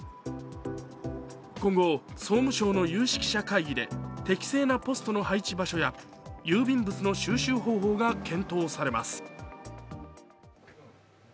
今後、総務省の有識者会議で適正なポストの配置場所や郵便物の収集方法が検討されます。